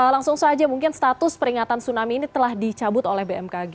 langsung saja mungkin status peringatan tsunami ini telah dicabut oleh bmkg